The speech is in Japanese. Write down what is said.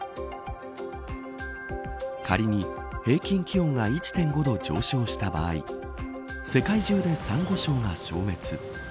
仮に平均気温が１．５度上昇した場合世界中でサンゴ礁が消滅。